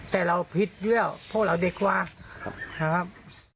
แต่เราผิดเรื่องพวกเราเด็กว่านะครับ